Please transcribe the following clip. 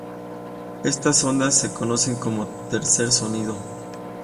Estas ondas se conocen como "tercer sonido".